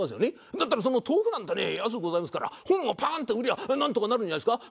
だったらその豆腐なんてね安うございますから本をパーンと売りゃあなんとかなるんじゃないですか？